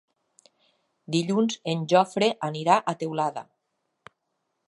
Dilluns en Jofre anirà a Teulada.